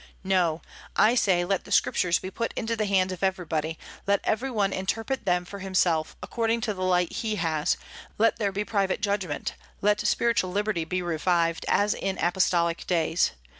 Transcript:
"No, I say, let the Scriptures be put into the hands of everybody; let every one interpret them for himself, according to the light he has; let there be private judgment; let spiritual liberty be revived, as in Apostolic days.